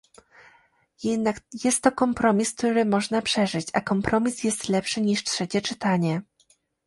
Jednak jest to kompromis, który można przeżyć, a kompromis jest lepszy niż trzecie czytanie